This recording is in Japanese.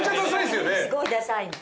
すごいダサいの。